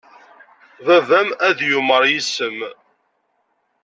Baba-m ad yumar yes-m.